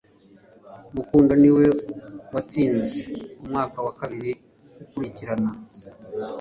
Rukundo niwe watsinze umwaka wa kabiri ukurikirana